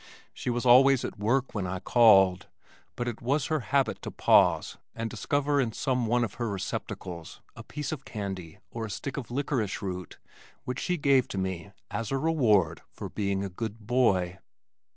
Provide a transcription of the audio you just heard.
She was always at work when I called, but it was her habit to pause and discover in some one of her receptacles a piece of candy or a stick of "lickerish root" which she gave to me "as a reward for being a good boy."